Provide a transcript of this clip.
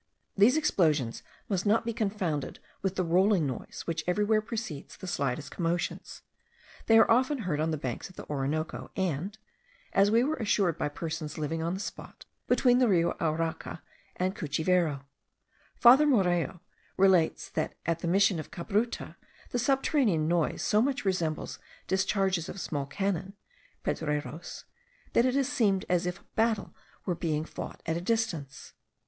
These explosions must not be confounded with the rolling noise which everywhere precedes the slightest commotions; they are often heard on the banks of the Orinoco, and (as we were assured by persons living on the spot) between the Rio Arauca and Cuchivero. Father Morello relates that at the Mission of Cabruta the subterranean noise so much resembles discharges of small cannon (pedreros) that it has seemed as if a battle were being fought at a distance.